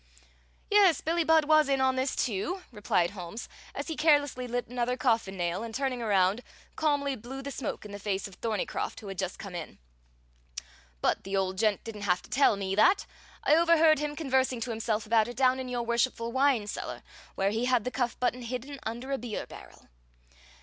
"Yes, Billie Budd was in on this too," replied Holmes, as he carelessly lit another coffin nail and turning around, calmly blew the smoke in the face of Thorneycroft, who had just come in; "but the old gent didn't have to tell me that. I overheard him conversing to himself about it down in your worshipful wine cellar, where he had the cuff button hidden under a beer barrel.